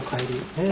へえ。